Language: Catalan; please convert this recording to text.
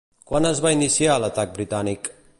Quan es va iniciar l'atac britànic?